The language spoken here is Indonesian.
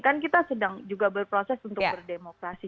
kan kita sedang juga berproses untuk berdemokrasi